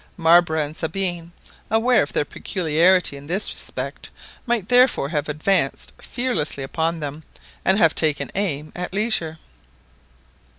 Marbre and Sabine, aware of their peculiarity in this respect, might therefore have advanced fearlessly upon them, and have taken aim at leisure.